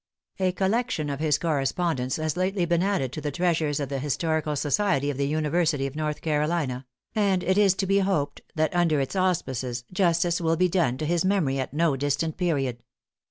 A collection of his correspondence has lately been added to the treasures of the Historical Society of the University of North Carolina; and it is to be hoped that under its auspices, justice will be done to his memory at no distant period.